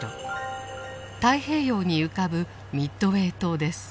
太平洋に浮かぶミッドウェー島です。